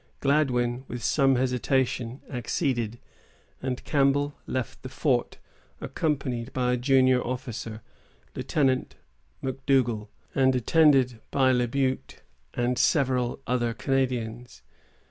Gladwyn, with some hesitation, acceded; and Campbell left the fort, accompanied by a junior officer, Lieutenant M'Dougal, and attended by La Butte and several other Canadians.